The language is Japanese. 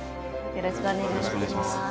よろしくお願いします。